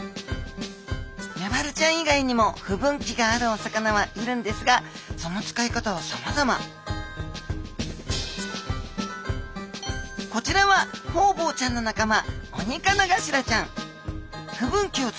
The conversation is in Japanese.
メバルちゃん以外にも不分岐があるお魚はいるんですがその使い方はさまざまこちらはホウボウちゃんの仲間